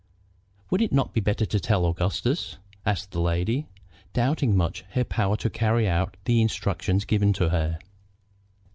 "Would it not be better to tell Augustus?" asked the lady, doubting much her power to carry out the instructions given to her.